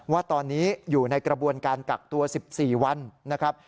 ว่าตอนนี้อยู่ในกระบวนการกักตัว๑๔วันนะครับ